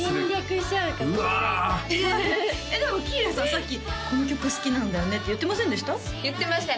さっき「この曲好きなんだよね」って言ってませんでした？